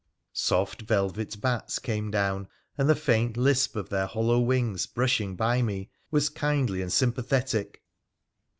Soft velvet bats came down, and the faint lisp of their hollow wings brushing by me was kindly and sympathetic.